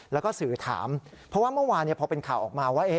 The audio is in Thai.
แล้วก็สื่อถามเพราะว่าเมื่อวานพอเป็นข่าวออกมาว่า